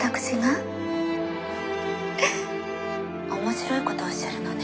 面白いことをおっしゃるのね。